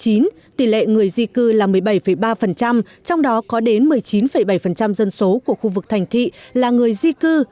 trong nhóm tuổi một mươi năm đến năm mươi chín tỷ lệ người di cư là một mươi bảy ba trong đó có đến một mươi chín bảy dân số của khu vực thành thị là người di cư